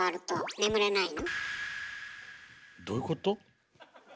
どういうこと？